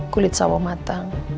kulit sawah matang